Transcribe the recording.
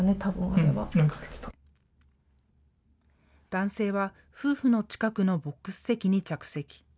男性は、夫婦の近くのボックス席に着席。